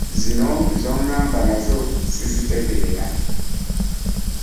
Zino z'oŋŋamba nazo ssizitegeera.